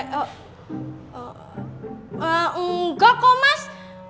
eee enggak kok mas